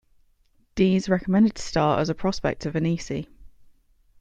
Dees recommended Starr as a prospect to Vainisi.